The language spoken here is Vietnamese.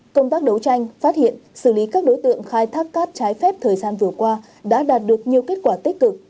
công tác đấu tranh phát hiện xử lý các đối tượng khai thác cát trái phép thời gian vừa qua đã đạt được nhiều kết quả tích cực